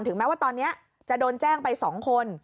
แม้ว่าตอนนี้จะโดนแจ้งไป๒คน